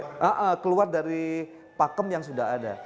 seperti contohnya keluar dari pakem yang sudah ada